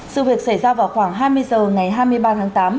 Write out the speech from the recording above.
sự việc xảy ra vào khoảng hai mươi h ngày hai mươi ba tháng tám